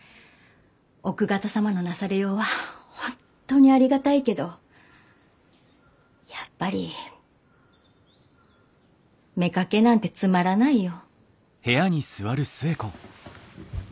奥方様のなされようは本当にありがたいけどやっぱり妾なんてつまらないよ。